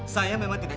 saya memang tidak bisa